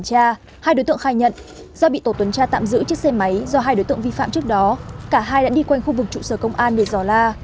cả hai đã đi quanh khu vực trụ sở công an để giỏ la